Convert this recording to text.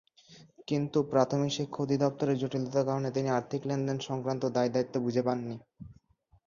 কিন্তু প্রাথমিক শিক্ষা অধিদপ্তরের জটিলতার কারণে তিনি আর্থিক লেনদেন-সংক্রান্ত দায়দায়িত্ব বুঝে পাননি।